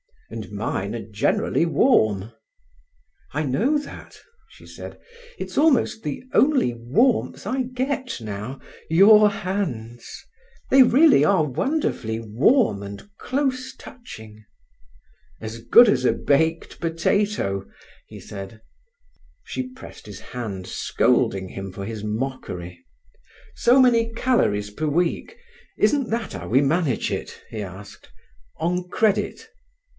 "And mine are generally warm." "I know that," she said. "It's almost the only warmth I get now—your hands. They really are wonderfully warm and close touching." "As good as a baked potato," he said. She pressed his hand, scolding him for his mockery. "So many calories per week—isn't that how we manage it?" he asked. "On credit?"